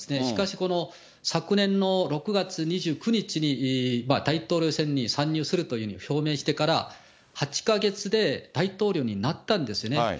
しかしこの昨年の６月２９日に、大統領選に参入するというふうに表明してから８か月で、大統領になったんですね。